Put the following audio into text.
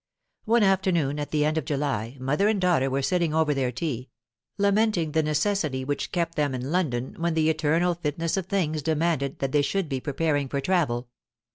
One afternoon at the end of July, mother and daughter were sitting over their tea, lamenting the necessity which kept them in London when the eternal fitness of things demanded that they should be preparing for travel.